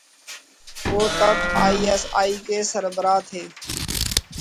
وہ تب I S I کے سربراہ تھے۔